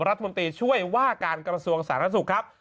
รัฐมนตรีช่วยว่าการกระทรวงสาธารณสุขครับ